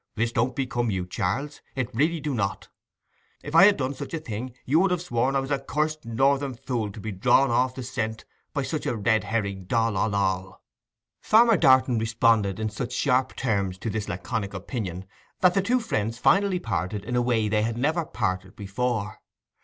'This don't become you, Charles—it really do not. If I had done such a thing you would have sworn I was a curst no'thern fool to be drawn off the scent by such a red herring doll oll oll.' Farmer Darton responded in such sharp terms to this laconic opinion that the two friends finally parted in a way they had never parted before.